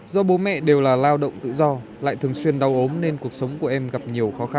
do bố mẹ đều là lao động tự do lại thường xuyên đau ốm nên cuộc sống của em gặp nhiều khó khăn